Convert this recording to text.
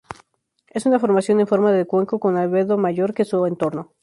Es una formación en forma de cuenco con un albedo mayor que su entorno.